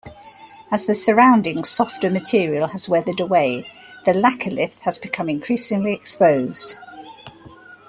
As the surrounding, softer material has weathered away, the laccolith has become increasingly exposed.